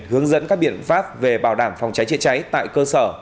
hướng dẫn các biện pháp về bảo đảm phòng cháy chữa cháy tại cơ sở